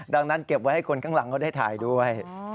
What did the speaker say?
ดังนั้นเก็บไว้ให้คนข้างหลังเขาได้ถ่ายด้วย